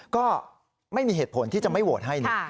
ก็ไม่มีเหตุผลที่จะไม่โหวตให้นี่